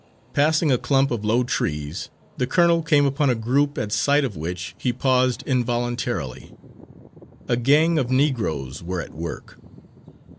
Passing a clump of low trees, the colonel came upon a group at sight of which he paused involuntarily. A gang of Negroes were at work.